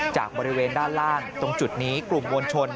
จากบริเวณด้านล่างตรงจุดนี้กลุ่มมวลชน